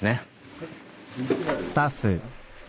はい。